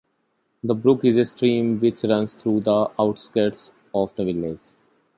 The 'brook' is a stream which runs through the outskirts of the village.